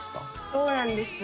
「そうなんです。